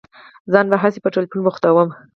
ځان به هسي په ټېلفون بوختوم.